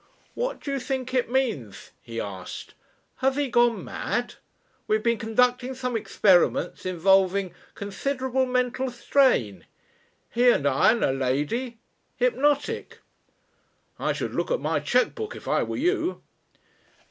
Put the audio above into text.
"What do you think it means?" he asked. "Has he gone mad? We have been conducting some experiments involving considerable mental strain. He and I and a lady. Hypnotic " "I should look at my cheque book if I were you."